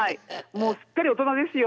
もうすっかり大人ですよ。